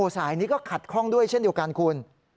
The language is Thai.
สายนี้ก็ขัดข้องด้วยเช่นเดียวกันคุณ